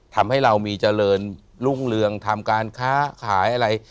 ทำให้เรามีเจริญรุ่งเรืองทำการค้าขายอะไร